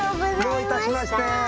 どういたしまして。